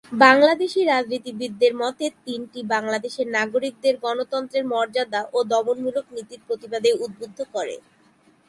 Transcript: বাংলাদেশি রাজনীতিবিদদের মতে দিনটি বাংলাদেশের নাগরিকদের গণতন্ত্রের মর্যাদা ও দমনমূলক নীতির প্রতিবাদে উদ্বুদ্ধ করে।